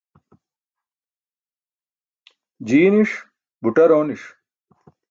Jii niṣ, buṭar ooni̇ṣ.